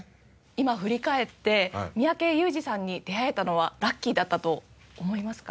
今振り返って三宅裕司さんに出会えたのはラッキーだったと思いますか？